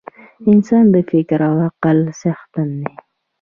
انسان د فکر او عقل څښتن دی.